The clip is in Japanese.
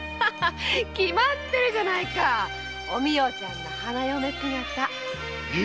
きまってるじゃないかおみよちゃんの花嫁姿。